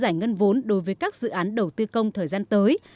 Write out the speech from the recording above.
đầu tư công sẽ giải ngân vốn đối với các dự án đầu tư công thời gian tới